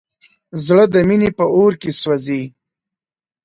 زړه د مینې په اور کې سوځي.